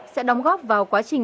sẽ đóng góp vào quá trình